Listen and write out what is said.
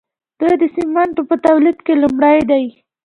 دوی د سیمنټو په تولید کې لومړی دي.